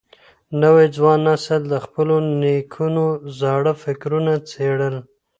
نوي ځوان نسل د خپلو نيکونو زاړه فکرونه څېړل.